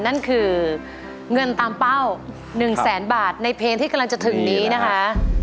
นั่นคือเงินตามเป้า๑แสนบาทในเพลงที่กำลังจะถึงนี้นะคะ